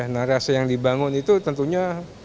nah rasa yang dibangun itu tentunya